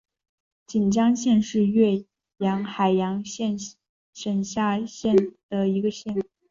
锦江县是越南海阳省下辖的一个县。